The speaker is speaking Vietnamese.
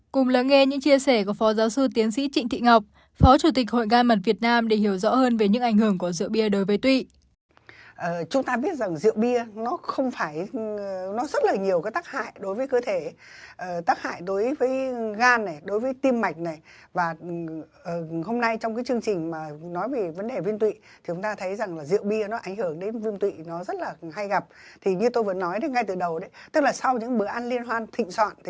cùng lắng nghe những chia sẻ của phó giáo sư tiến sĩ trịnh thị ngọc phó chủ tịch hội gan mật việt nam để hiểu rõ hơn về những ảnh hưởng của rượu bia đối với tụy